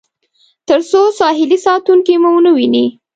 تر څو ساحلي ساتونکي مو ونه وویني.